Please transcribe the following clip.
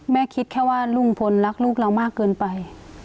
แม่คิดแค่ว่าลุงพลรักลูกเรามากเกินไป